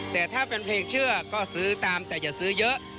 แต่ถ้าแฟนเพลงเชื่อก็ซื้อตามแต่อย่าซื้อเยอะ